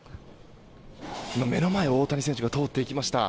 目の前を大谷選手が通っていきました。